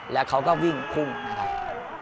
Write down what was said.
แล้วเขาก็วิ่งพุ่งนะครับ